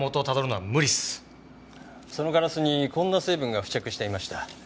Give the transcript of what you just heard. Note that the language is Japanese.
そのガラスにこんな成分が付着していました。